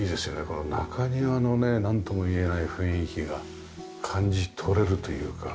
この中庭のねなんともいえない雰囲気が感じ取れるというか。